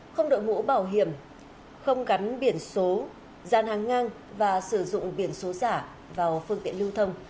không đội mũ bảo hiểm không gắn biển số gian hàng ngang và sử dụng biển số giả vào phương tiện lưu thông